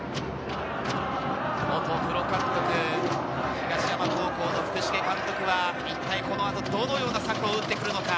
元プロ監督、東山高校の福重監督は、一体この後、どのような策を打ってくるのか。